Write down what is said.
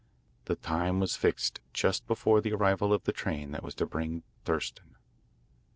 The time was fixed just before the arrival of the train that was to bring Thurston.